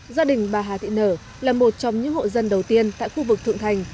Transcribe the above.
gia đình bà hà thị nở là một trong những hộ dân đầu tiên tại khu vực thượng thành